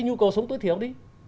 như cầu sống tối thiểu đi